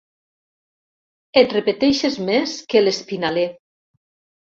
Et repeteixes més que l'Espinaler.